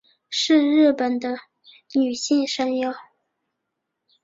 是日本的女性声优。